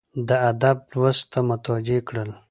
د ادب لوست ته متوجه کړل،